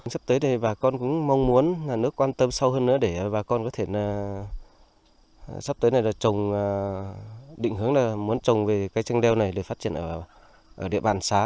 sắp tới thì bà con cũng mong muốn nước quan tâm sâu hơn nữa để bà con có thể sắp tới này là trồng định hướng là muốn trồng về cây tranh leo này để phát triển ở địa bàn xá